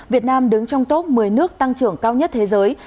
việt nam đứng trong top một mươi nước tăng trưởng cao nhất thế giới